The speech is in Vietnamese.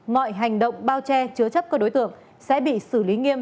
mọi hành động bao che chứa chấp các đối tượng sẽ bị xử lý nghiêm